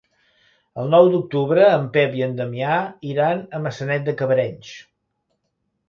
El nou d'octubre en Pep i en Damià iran a Maçanet de Cabrenys.